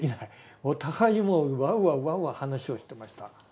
お互いにもうわんわわんわ話をしてました。